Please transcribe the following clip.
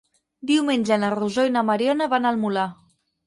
Diumenge na Rosó i na Mariona van al Molar.